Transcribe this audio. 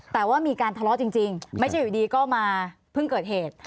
แต่ว่ามีการทะเลาะจริงไม่ใช่อยู่ดีก็มาเพิ่งเกิดเหตุ